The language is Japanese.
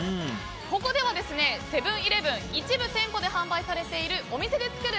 ここではセブン‐イレブン一部店舗で販売されているお店で作る！